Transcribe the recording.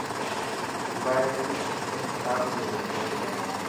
موبائل ري پن کراب ٿي گئي.